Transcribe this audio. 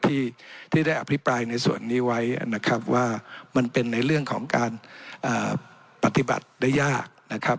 ที่ได้อภิปรายในส่วนนี้ไว้นะครับว่ามันเป็นในเรื่องของการปฏิบัติได้ยากนะครับ